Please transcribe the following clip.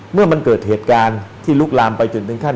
เมื่อมันเกิดเหตุการณ์ที่ลุกลามไปจนถึงขั้น